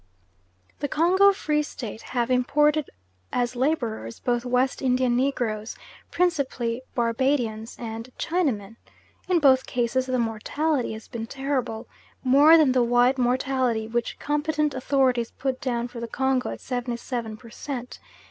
The Congo Free State have imported as labourers both West Indian negroes principally Barbadians and Chinamen. In both cases the mortality has been terrible more than the white mortality, which competent authorities put down for the Congo at 77 per cent.